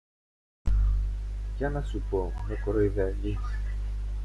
Για να σου πω, με κοροϊδεύεις;